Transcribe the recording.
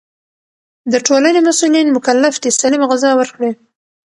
د ټولنې مسؤلين مکلف دي سالمه غذا ورکړي.